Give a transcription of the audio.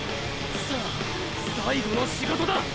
さぁ最後の仕事だ！！